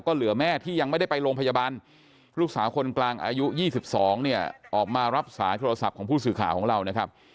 ก็เหลือแม่ที่ยังไม่ได้ไปโรงพยาบาลลูกสาวคนกลางอายุ๒๒เนี่ยออกมารับสายโทรศัพท์ของผู้สื่อข่าวของเรานะครับ